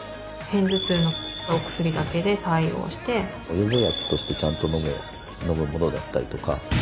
予防薬としてちゃんと飲むものだったりとか。